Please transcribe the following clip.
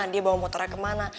dia bawa motornya kemana